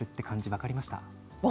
分かりました。